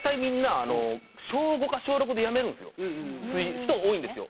人が多いんですよ。